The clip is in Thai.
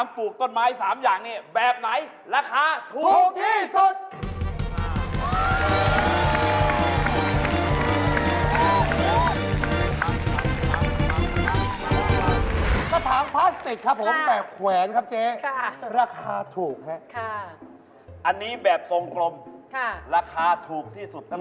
ดูนะเบิร์ดส่งซิกเมื่อกี้เนี่ยเหมือนของขาดณแล้ว